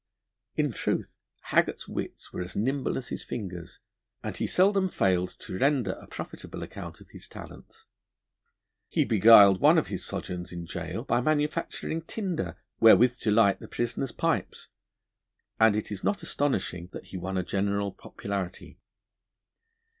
In truth, Haggart's wits were as nimble as his fingers, and he seldom failed to render a profitable account of his talents. He beguiled one of his sojourns in gaol by manufacturing tinder wherewith to light the prisoners' pipes, and it is not astonishing that he won a general popularity.